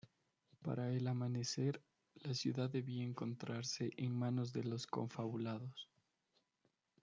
Para el amanecer, la ciudad debía encontrarse en manos de los confabulados.